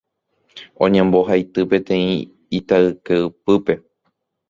Oñembohaity peteĩ itayke ypýpe.